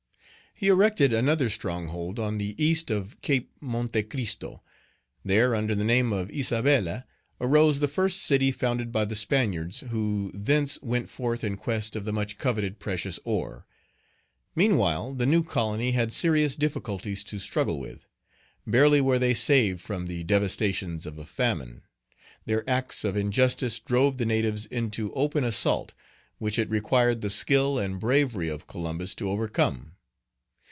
He erected another stronghold on the east of Cape Monte Christo. There, under the name of Isabella, arose the first city founded by the Spaniards, who thence went forth in quest of the much coveted precious ore. Meanwhile the new Page 24 colony had serious difficulties to struggle with. Barely were they saved from the devastations of a famine. Their acts of injustice drove the natives into open assault, which it required the skill and bravery of Columbus to overcome.